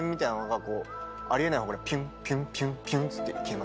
あり得ない方からピュンピュンピュンピュンって行って。